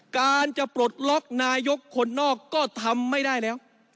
การจะปลดล็อกนายกคนนอกก็ทำไม่ได้แล้ว